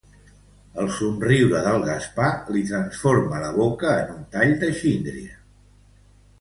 El somriure del Gaspar li transforma la boca en un tall de xíndria.